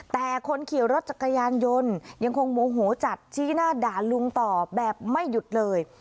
แต่คนขี่รถจักรยานยนต์ยังคงโมโหจัดชี้หน้าด่าลุงต่อแบบไม่หยุดเลย